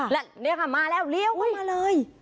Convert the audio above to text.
แล้วนี่ค่ะมาแล้วเลี้ยวเข้ามาเลย